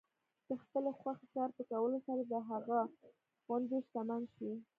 د خپلې خوښې کار په کولو سره د هغه غوندې شتمن شئ.